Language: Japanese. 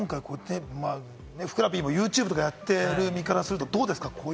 ふくらＰもＹｏｕＴｕｂｅとかやってる身からするとどうですか？